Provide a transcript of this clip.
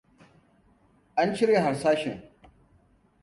An cire harsashin.